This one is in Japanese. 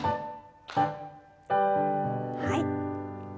はい。